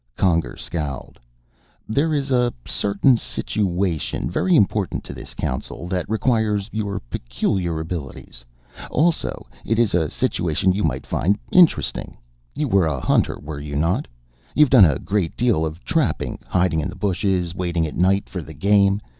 Conger scowled. "There is a certain situation, very important to this Council, that requires your peculiar abilities. Also, it is a situation you might find interesting. You were a hunter, were you not? You've done a great deal of trapping, hiding in the bushes, waiting at night for the game?